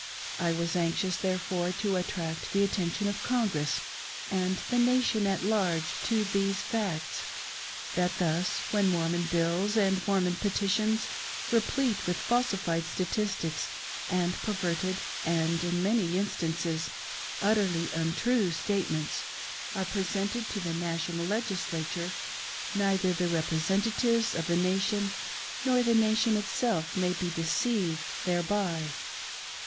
I was anxious, therefore, to attract the attention of Congress and the Nation at large to these facts ; that thus, when Mormon bills and 620 THE RESUMS OF MY LIFE. Mormon petitions, replete with falsified statistics, and perver ted, and — in many instances — utterly untrue, statements, are presented to the National Legislature, neither the representa tives of the Nation nor the Nation itself may be deceived thereby.